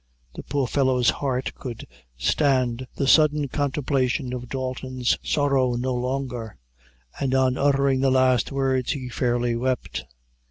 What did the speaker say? The poor fellow's heart could stand the sudden contemplation of Dalton's sorrow no longer and on uttering the last words he fairly wept.